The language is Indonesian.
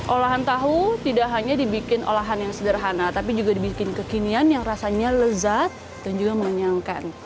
olahan tahu tidak hanya dibikin olahan yang sederhana tapi juga dibikin kekinian yang rasanya lezat dan juga mengenyangkan